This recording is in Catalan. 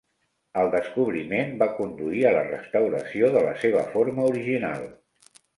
El descobriment va conduir a la restauració de la seva forma original.